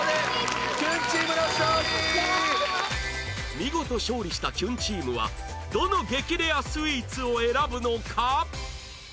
見事勝利したキュンチームはどの激レアスイーツを選ぶのか？